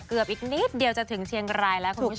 อีกนิดเดียวจะถึงเชียงรายแล้วคุณผู้ชม